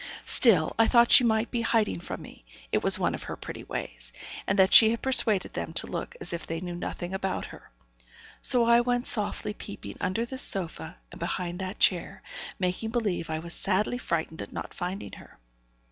Still I thought she might be hiding from me; it was one of her pretty ways, and that she had persuaded them to look as if they knew nothing about her; so I went softly peeping under this sofa, and behind that chair, making believe I was sadly frightened at not finding her.